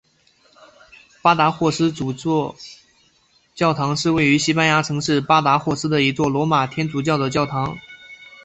巴达霍斯主教座堂是位于西班牙城市巴达霍斯的一座罗马天主教的教堂。